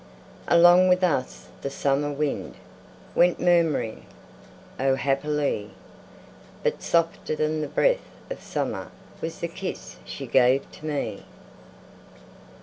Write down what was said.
Along with us the summer wind Went murmuring O, happily! But softer than the breath of summer Was the kiss she gave to me.